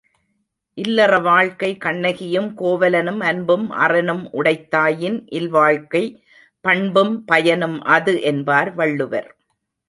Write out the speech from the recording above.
இல்லற வாழ்க்கை கண்ணகியும் கோவலனும் அன்பும் அறனும் உடைத்தாயின் இல்வாழ்க்கை பண்பும் பயனும் அது என்பார் வள்ளுவர்.